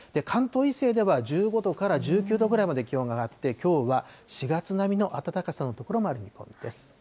関東以西では、１５度から１９度ぐらいまで気温が上がって、きょうは４月並みの暖かさの所もある見込みです。